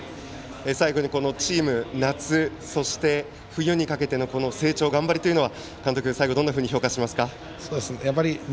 最後にチーム、夏そして冬にかけての成長、頑張りは監督はどんなふうに評価しますか。